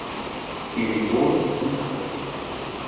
Division in Köln.